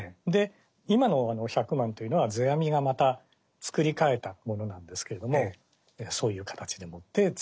今の百万というのは世阿弥がまた作り替えたものなんですけれどもそういう形でもってつながってきている。